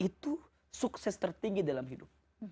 itu sukses tertinggi dalam hidup